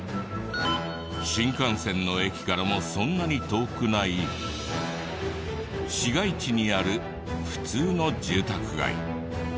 新幹線の駅からもそんなに遠くない市街地にある普通の住宅街。